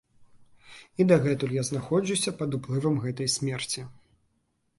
І дагэтуль я знаходжуся пад уплывам гэтай смерці.